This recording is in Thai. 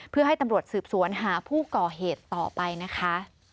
เพื่อให้ตำรวจสืบสวนหาผู้ก่อเหตุต่อไปนะคะ